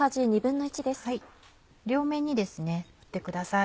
両面に振ってください。